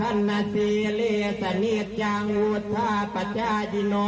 สิ่งใดที่ท่านนายกยูดไว้นะครับผม